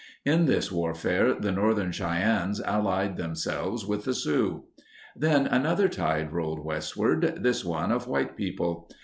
In this warfare the Northern Cheyennes allied themselves with the Sioux. Then another tide rolled westward, this one of white people.